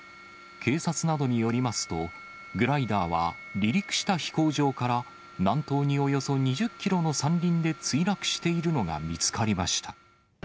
警察などによりますと、グライダーは離陸した飛行場から、南東におよそ２０キロの山林で墜落しているのが見つかりました。